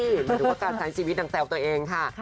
เหมือนกับการใช้ชีวิตดังแต่วตัวเองค่ะ